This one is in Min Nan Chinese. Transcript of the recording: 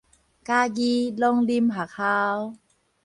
嘉義農林學校